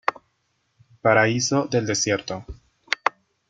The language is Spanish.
Paraíso del desierto.